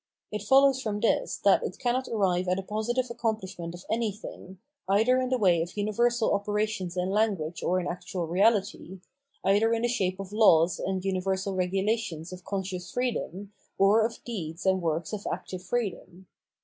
It follows from this, that it cannot arrive at a positive accompHshment of anything, either in the way of universal operations in language or in actual reality, either in the shape of laws and universal regulations of conscious freedom, or of deeds and works of active freedom.